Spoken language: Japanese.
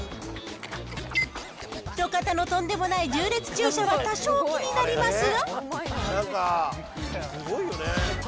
路肩のとんでもない縦列駐車は多少気になりますが。